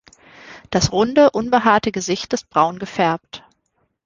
Das runde, unbehaarte Gesicht ist braun gefärbt.